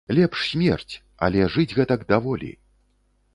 Лепш смерць, але жыць гэтак даволі.